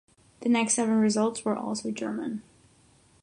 The next seven results were also German.